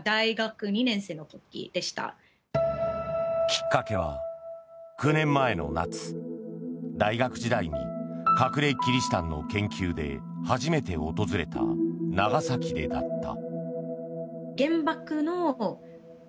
きっかけは９年前の夏大学時代に隠れキリシタンの研究で初めて訪れた長崎でだった。